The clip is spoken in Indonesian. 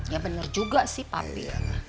ya benar juga sih papi